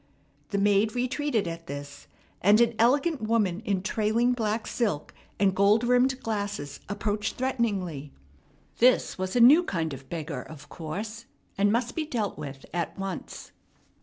The maid retreated at this, and an elegant woman in trailing black silk and gold rimmed glasses approached threateningly. This was a new kind of beggar, of course, and must be dealt with at once.